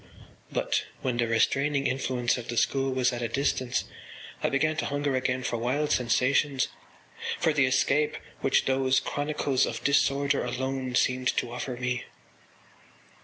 But when the restraining influence of the school was at a distance I began to hunger again for wild sensations, for the escape which those chronicles of disorder alone seemed to offer me.